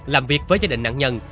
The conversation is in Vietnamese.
làm việc với gia đình nạn nhân